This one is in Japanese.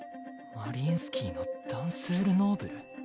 マリインスキーのダンスール・ノーブル？